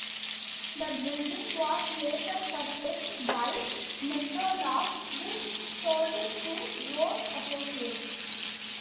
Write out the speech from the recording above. The building was later purchased by MetroLoft, which sold it to Rose Associates.